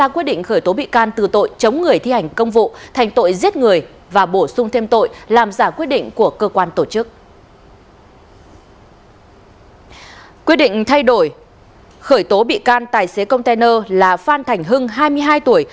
quyết định thay đổi khởi tố bị can tài xế container là phan thành hưng hai mươi hai tuổi